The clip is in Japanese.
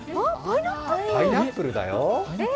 パイナップルだよ。